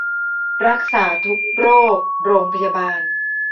รักษาทุกโรค โรงพยาบาล